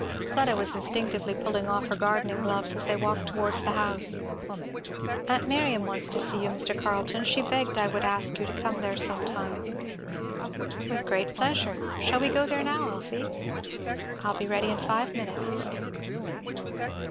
Fleda was instinctively pulling off her gardening gloves, as they walked towards the house. "Aunt Miriam wants to see you, Mr. Carleton she begged I would ask you to come there some time " "With great pleasure shall we go there now, Elfie?" "I will be ready in five minutes."